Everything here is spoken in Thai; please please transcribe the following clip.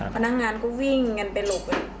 พนักงานก็วิ่งกันไปหลบ